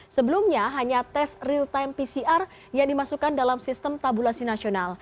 sebelumnya hanya tes real time pcr yang dimasukkan dalam sistem tabulasi nasional